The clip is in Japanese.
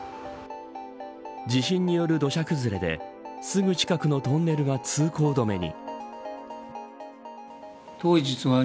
地震による土砂崩れですぐ近くのトンネルが通行止めに。